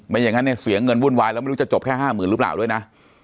อย่างนั้นเนี่ยเสียเงินวุ่นวายแล้วไม่รู้จะจบแค่๕๐๐๐หรือเปล่าด้วยนะ